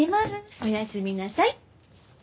おやすみなさい。